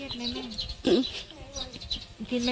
เครียดไหมแม่